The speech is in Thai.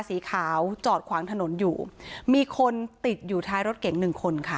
สีขาวจอดขวางถนนอยู่มีคนติดอยู่ท้ายรถเก๋งหนึ่งคนค่ะ